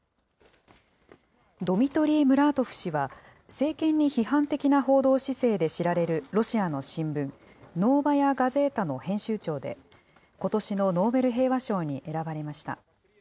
ドミトリー・ムラートフ氏は、政権に批判的な報道姿勢で知られるロシアの新聞、ノーバヤ・ガゼータの編集長で、ことしのノーベル平和賞に選ばれました。